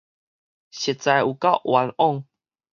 實在有夠冤枉